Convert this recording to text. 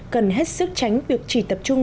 cần hết sức tránh việc chỉ tập trung